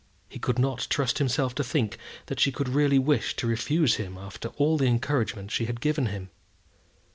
He could not trust himself to think that she could really wish to refuse him after all the encouragement she had given him.